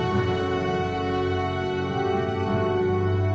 สวัสดีทุกคน